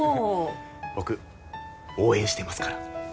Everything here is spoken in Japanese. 僕応援してますから。